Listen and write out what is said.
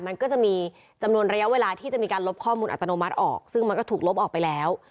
มันก็จะมีจำนวนระยะเวลาที่จะมีการลบข้อมูลอัตโนมัติออกซึ่งมันก็ถูกลบออกไปแล้ว